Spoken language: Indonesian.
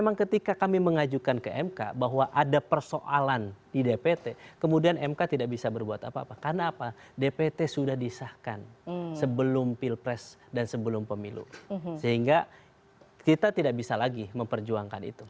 jadi ketika kami mengajukan ke mk bahwa ada persoalan di dpt kemudian mk tidak bisa berbuat apa apa karena apa dpt sudah disahkan sebelum pilpres dan sebelum pemilu sehingga kita tidak bisa lagi memperjuangkan itu